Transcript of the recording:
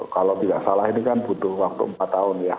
kalau tidak salah ini kan butuh waktu empat tahun ya